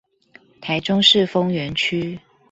台中市豐原區